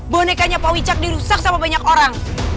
bonekanya pak wicak dirusak sama banyak orang